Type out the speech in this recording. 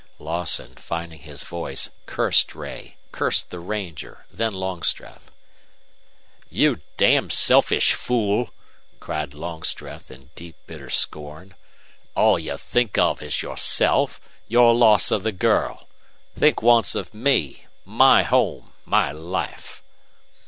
Lawson, finding his voice, cursed Ray, cursed the ranger, then Longstreth. "You damned selfish fool!" cried Longstreth, in deep bitter scorn. "All you think of is yourself your loss of the girl. Think once of ME my home my life!"